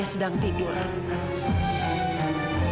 terima kasih sendiri